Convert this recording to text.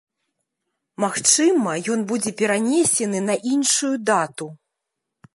Магчыма, ён будзе перанесены на іншую дату.